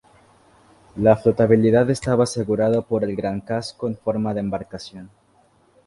La flotabilidad estaba asegurada por el gran casco en forma de embarcación.